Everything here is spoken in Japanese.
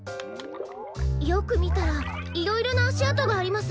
よくみたらいろいろなあしあとがあります。